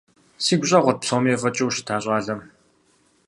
Сигу щӀэгъурт псоми ефӀэкӀыу щыта щӏалэм.